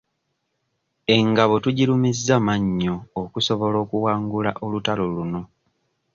Engabo tugirumizza mannyo okusobola okuwangula olutalo luno.